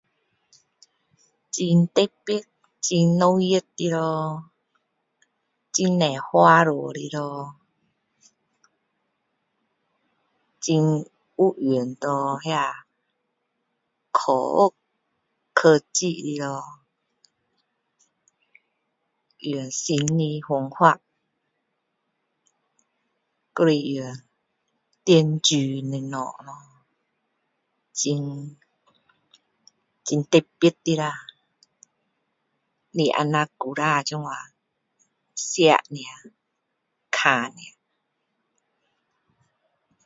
很特别和热闹的很多花朵的lo 很有用到那个科学科技的lo 用新的方法还是用科技的东西咯很很特别的啦不是像以前那样吃而已看而已